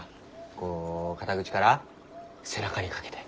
こう肩口から背中にかけて。